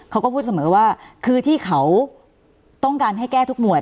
เขาก็พูดเสมอว่าคือที่เขาต้องการให้แก้ทุกหวด